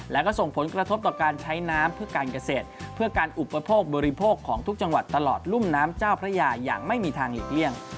และก็ส่งผลกระทบต่อการใช้น้ำเพื่อการเกษตรเพื่อการอุปโภคบริโภคของทุกจังหวัดตลอดรุ่มน้ำเจ้าพระยาอย่างไม่มีทางหลีกเลี่ยง